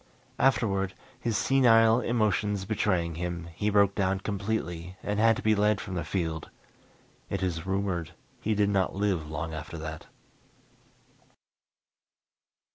Afterward, his senile emotions betraying him, he broke down completely and had to be led from the field. It is rumored he did not live long after that.